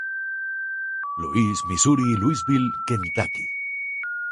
Louis, Missouri y Louisville, Kentucky.